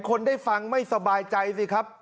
คนได้ฟังไม่สบายใจสิครับ